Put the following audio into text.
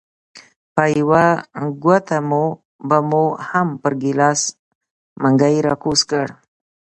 په یوه ګوته به مو هم پر ګیلاس منګی راکوږ کړ.